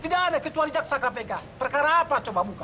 tidak ada kecuali jaksa kpk perkara apa coba buka